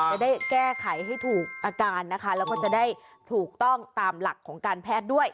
จะได้แก้ไขให้ถูกอาการนะคะแล้วก็จะได้ถูกต้องตามหลักของการแพทย์ด้วย